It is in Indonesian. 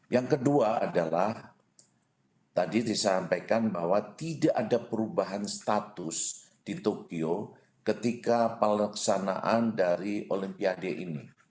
yang kedua adalah tadi disampaikan bahwa tidak ada perubahan status di tokyo ketika pelaksanaan dari olimpiade ini